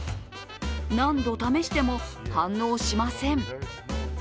何度試しても、反応しません。